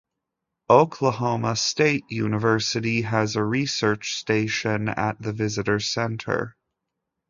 Oklahoma State University has a research station at the visitor center.